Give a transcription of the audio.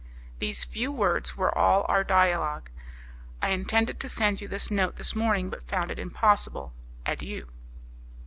These few words were all our dialogue. I intended to send you this note this morning, but found it impossible. Adieu."